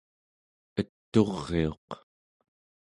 et'uriuq